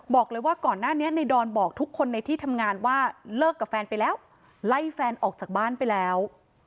บอกเลยว่าก่อนหน้านี้ในดอนบอกทุกคนในที่ทำงานว่าเลิกกับแฟนไปแล้วไล่แฟนออกจากบ้านไปแล้ว